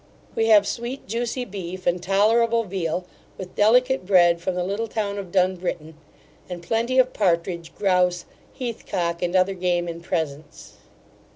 We have sweet, juicy beef, and tolerable veal, with delicate bread from the little town of Dunbritton; and plenty of partridge, growse, heath cock, and other game in presents.